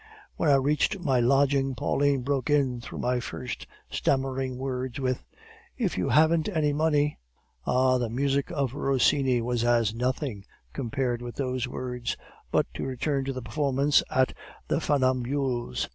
When I reached my lodging, Pauline broke in through my first stammering words with: "'If you haven't any money ?' "Ah, the music of Rossini was as nothing compared with those words. But to return to the performance at the Funambules.